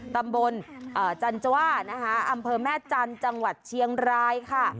ตำบลจันจว่านะคะอำเภอแม่จันทร์จังหวัดเชียงรายค่ะ